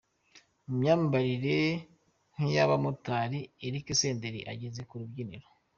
Mu myambaro nk’iy’abamotari ’Eric Senderi’ ageze ku rubyiniro.